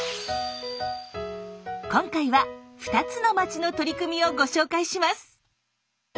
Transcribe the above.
今回は２つの町の取り組みをご紹介します。